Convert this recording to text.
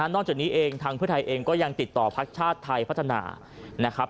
จากนี้เองทางเพื่อไทยเองก็ยังติดต่อพักชาติไทยพัฒนานะครับ